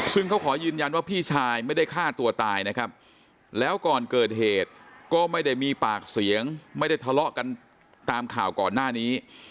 ซึ่งเขาขอยืนยันว่าพี่ชายไม่ได้ฆ่าตัวตายนะครับแล้วก่อนเกิดเหตุก็ไม่ได้มีปากเสียงไม่ได้ทะเลาะกันตามข่าวก่อนหน้านี้